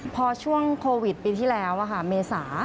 พอช่วงโควิดปีที่แล้วเมษา